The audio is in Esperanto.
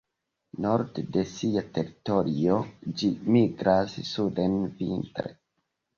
Norde de sia teritorio ĝi migras suden vintre.